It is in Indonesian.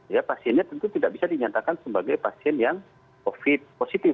ya pasiennya tentu tidak bisa dinyatakan sebagai pasien yang covid positif